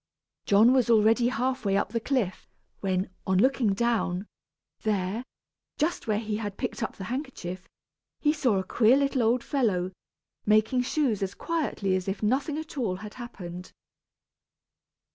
John was already half way up the cliff, when, on looking down, there, just where he had picked up the handkerchief, he saw a queer little old fellow, making shoes as quietly as if nothing at all had happened.